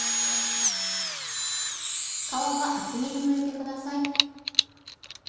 皮は厚めにむいてください。